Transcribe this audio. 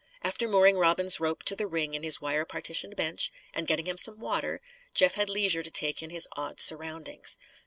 After mooring Robin's rope to the ring in his wire partitioned bench, and getting him some water, Jeff had leisure to take in his odd surroundings.